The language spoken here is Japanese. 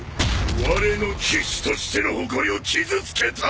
われの騎士としての誇りを傷つけた！